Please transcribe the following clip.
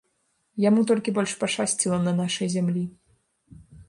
Яму толькі больш пашчасціла на нашай зямлі.